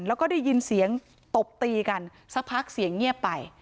แล้วก็ได้ยินเสียงตบตีกันสักพักเสียงเงียบไป